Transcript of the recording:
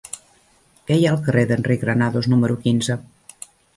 Què hi ha al carrer d'Enric Granados número quinze?